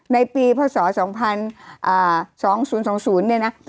ในปีพศ๒๒๐๒๐เนี่ยนะ